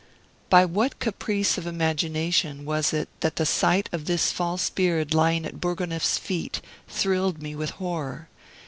By what caprice of imagination was it that the sight of this false beard lying at Bourgonef's feet thrilled me with horror?